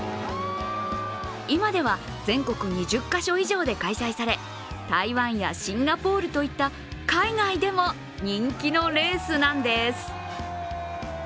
今では全国２０か所以上で開催され台湾やシンガポールといった海外でも人気のレースなんです。